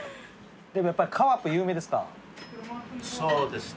でもやっぱカワプ有名ですか？